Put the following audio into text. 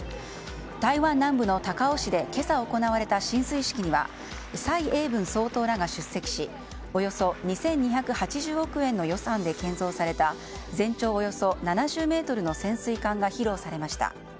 台湾南部の高雄市で今朝、行われた進水式には蔡英文総統らが出席しおよそ２２８０億円の予算で建造された全長およそ７０ｍの潜水艦が披露されました。